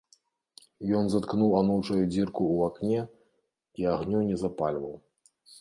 Ён заткнуў анучаю дзірку ў акне і агню не запальваў.